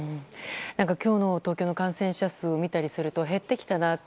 今日の東京の感染者数を見たりすると減ってきたな。